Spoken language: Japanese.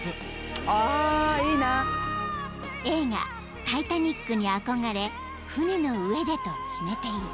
［映画『タイタニック』に憧れ船の上でと決めていた］